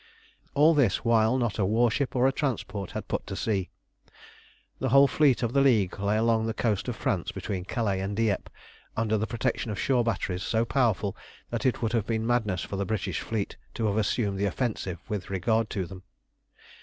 All this while not a warship or a transport had put to sea. The whole fleet of the League lay along the coast of France between Calais and Dieppe, under the protection of shore batteries so powerful that it would have been madness for the British fleet to have assumed the offensive with regard to them.